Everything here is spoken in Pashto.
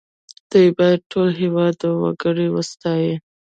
دوی باید ټول هېواد او وګړي وستايي